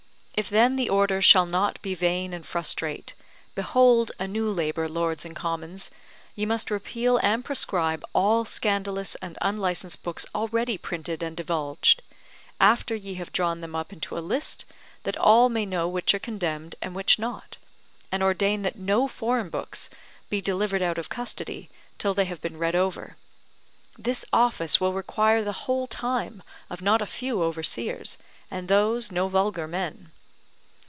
If then the Order shall not be vain and frustrate, behold a new labour, Lords and Commons, ye must repeal and proscribe all scandalous and unlicensed books already printed and divulged; after ye have drawn them up into a list, that all may know which are condemned, and which not; and ordain that no foreign books be delivered out of custody, till they have been read over. This office will require the whole time of not a few overseers, and those no vulgar men.